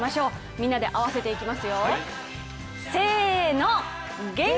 みんなで合わせていきますよ。